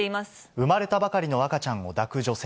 産まれたばかりの赤ちゃんを抱く女性。